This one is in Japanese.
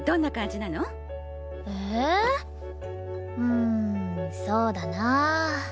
うんそうだな。